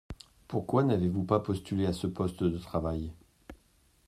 Pourquoi n’avez-vous pas postulé à ce poste de travail ?